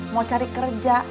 mau cari kerja